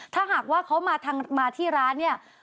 ถ้าหากว่าเขามาที่ร้านเนี่ย